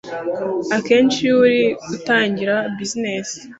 Akenshi iyo uri gutangira business,